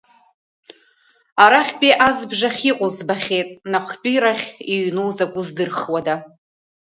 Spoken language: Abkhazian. Арахьтәи азбжахь иҟоу збахьеит, наҟтәирахь иҩноу закәу здырхуада.